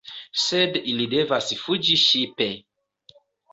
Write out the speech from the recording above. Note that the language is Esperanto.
Sed ili devas fuĝi ŝipe.